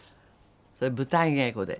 それ舞台稽古で。